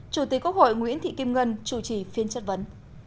chủ tịch quốc hội nguyễn thị kim ngân chủ trì phiên chất vấn